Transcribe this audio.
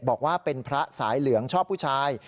บอกว่าเป็นพระสายเหลืองชอบผู้ชาย